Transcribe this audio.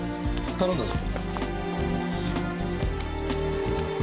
頼んだぞ。